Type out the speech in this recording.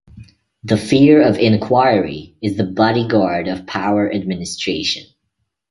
The fear of inquiry is the bodyguard of power administration.